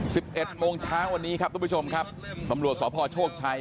สิบเอ็ดโมงเช้าวันนี้ครับทุกผู้ชมครับตำรวจสพโชคชัย